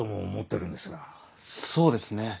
そうですね。